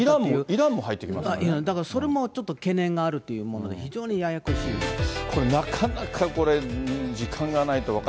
イラン、だからそれも懸念があるというもので、非常にややこしいんです。